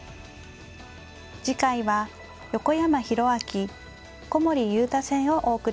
次回は横山泰明古森悠太戦をお送りします。